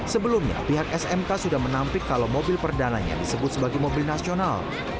sebelumnya pihak smk sudah menampik kalau mobil perdananya disebut sebagai mobil nasional